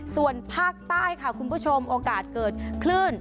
ส่วนภาคใต้ค่ะคุณผู้ชมโอกาสเกิดคลื่น